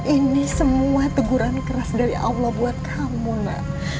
ini semua teguran keras dari allah buat kamu nak